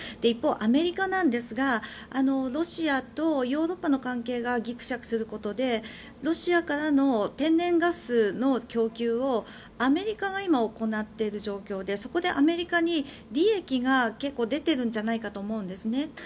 一方、アメリカなんですがロシアとヨーロッパの関係がぎくしゃくすることでロシアからの天然ガスの供給をアメリカが今、行っている状況でそこでアメリカに利益が出ているんじゃないかと思うんですね。